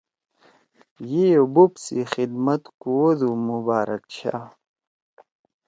یِئی او بوپ سی خدمت کوَدُو مبارک شاہ